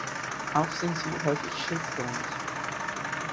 Auch sind sie häufig schildförmig.